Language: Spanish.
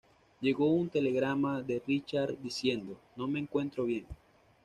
Llegó un telegrama de Richard diciendo: "No me encuentro bien.